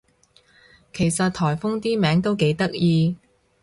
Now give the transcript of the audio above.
其實颱風啲名都幾得意